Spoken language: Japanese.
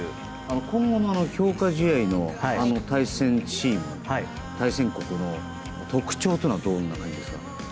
今後の強化試合の対戦チーム、対戦国の特徴というのはどんな感じですか？